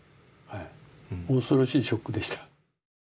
恐ろしいショックでした。